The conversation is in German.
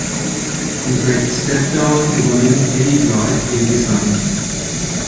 Im Track „Step Down“ übernimmt Eddie Clarke den Gesang.